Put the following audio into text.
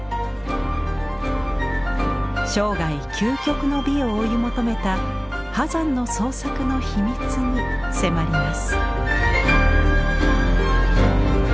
生涯究極の美を追い求めた波山の創作の秘密に迫ります。